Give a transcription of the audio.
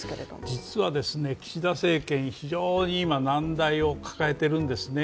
実は岸田政権、非常に今難題を抱えているんですね。